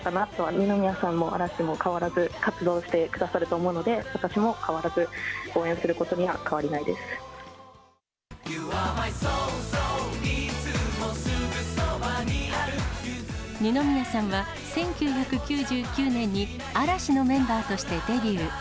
二宮さんも嵐も変わらず活動してくださると思うので、私も変わらず、二宮さんは１９９９年に嵐のメンバーとしてデビュー。